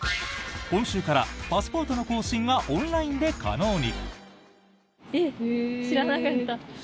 今週からパスポートの更新がオンラインで可能に。